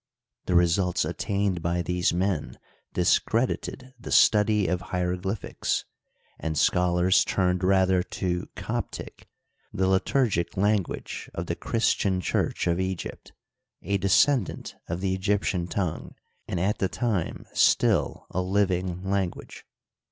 The results attained by these men discredited the study of hierogl)rphics, and scholars turned rather to Coptic, the liturgic language of the Christian Church of Egypt, a de scendant of the Egyptian tongue, and at the time still a living language.